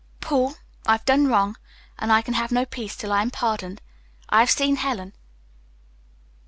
"Paul, I've done wrong, and I can have no peace till I am pardoned. I have seen Helen."